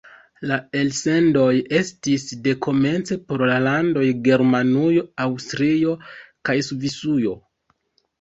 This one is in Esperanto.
La elsendoj estis dekomence por la landoj Germanujo, Aŭstrio kaj Svisujo.